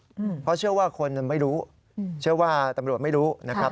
เพราะเชื่อว่าคนไม่รู้เชื่อว่าตำรวจไม่รู้นะครับ